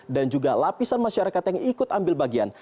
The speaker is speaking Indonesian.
dan juga lapisan masyarakat yang ikut ambil bagian